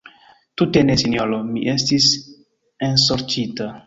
Tute ne, sinjoro: mi estis ensorĉita.